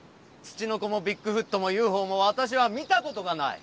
ツチノコもビッグフットもＵＦＯもわたしは見たことがない。